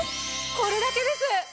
これだけです！